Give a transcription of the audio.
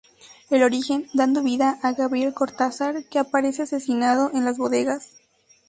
El origen" dando vida a Gabriel Cortázar, que aparece asesinado en las bodegas.